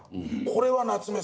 これは夏目さん。